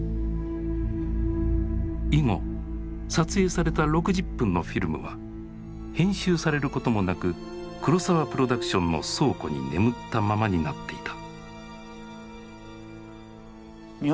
以後撮影された６０分のフィルムは編集されることもなく黒澤プロダクションの倉庫に眠ったままになっていた。